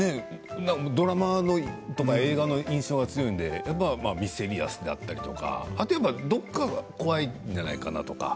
ドラマとか映画の印象が強いので、やっぱりミステリアスだったりとかあと、どっか怖いんじゃないかなとか。